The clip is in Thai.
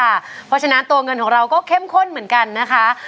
เพราะฉะนั้นตัวเงินของเราก็เข้มข้นเหมือนกันนะคะ